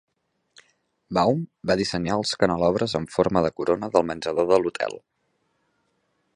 Baum va dissenyar els canelobres amb forma de corona del menjador de l'hotel.